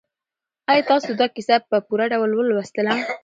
آیا تاسو دا کیسه په پوره ډول ولوستله؟